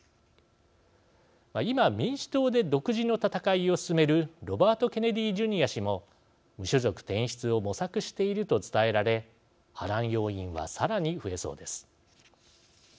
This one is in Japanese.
今民主党で独自の戦いを進めるロバート・ケネディ・ジュニア氏も無所属転出を模索していると伝えられ波乱要因はさらに増えそうです。